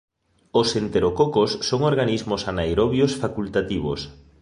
Os enterococos son organismos anaerobios facultativos.